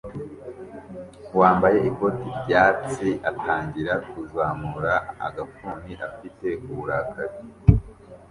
wambaye ikoti ryatsi atangira kuzamura agafuni afite uburakari